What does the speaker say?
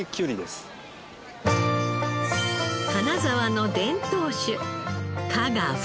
金沢の伝統種